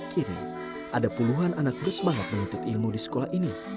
kini ada puluhan anak bersemangat menuntut ilmu di sekolah ini